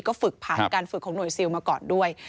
ก็ฝึกผ่านการฝึกของหน่วยซิลมาก่อนด้วย